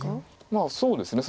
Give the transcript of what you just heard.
まあそうですね。